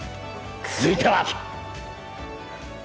続いては。